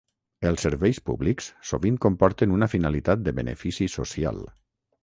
Els serveis públics sovint comporten una finalitat de benefici social.